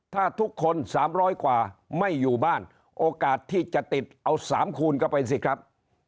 ถ้าทุกคน๓๐๐กว่าไม่อยู่บ้านโอกาสที่จะติดเอา๓คูณเข้าไปสิครับ